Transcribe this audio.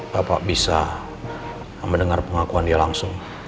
bapak bisa mendengar pengakuan dia langsung